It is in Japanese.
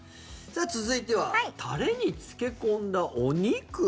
続いてはタレに漬け込んだお肉。